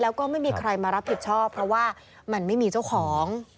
แล้วก็ไม่มีใครมารับผิดชอบเพราะว่ามันไม่มีเจ้าของ